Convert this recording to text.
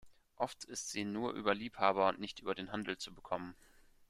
Oft ist sie nur über Liebhaber und nicht über den Handel zu bekommen.